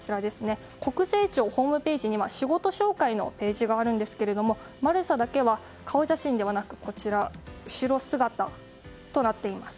国税庁ホームページには仕事紹介のページがあるんですがマルサだけは顔写真ではなく後ろ姿となっています。